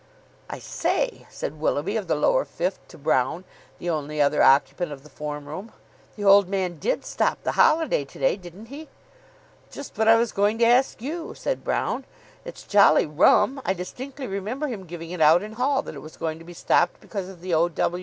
"I say," said Willoughby, of the Lower Fifth, to Brown, the only other occupant of the form room, "the old man did stop the holiday to day, didn't he?" "Just what I was going to ask you," said Brown. "It's jolly rum. I distinctly remember him giving it out in hall that it was going to be stopped because of the O.W.